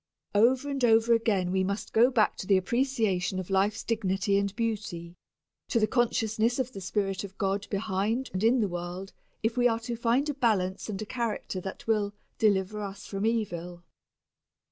Over and over again we must go back to the appreciation of life's dignity and beauty to the consciousness of the spirit of God behind and in the world if we are to find a balance and a character that will "deliver us from evil."